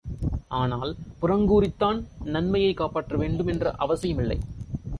ஆனால் புறங்கூறித்தான் நன்மையைக் காப்பாற்ற வேண்டும் என்ற அவசியமில்லை.